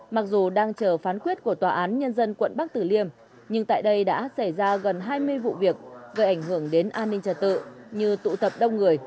mặc dù đang chờ phán quyết của tòa án nhân dân quận bắc tử liêm nhưng tại đây đã xảy ra gần hai mươi vụ việc gây ảnh hưởng đến an ninh trật tự như tụ tập đông người